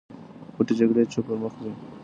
پټې جګړې چوپ پر مخ ځي.